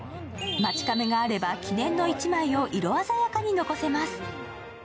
マチカメがあれば記念の一枚を色鮮やかに残せます。